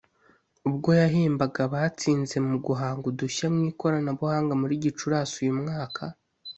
ubwo yahembaga abatsinze mu guhanga udushya mu ikoranabuhanga muri Gicurasi uyu mwaka